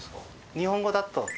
日本語だと。